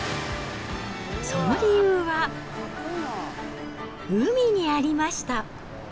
その理由は、海にありました。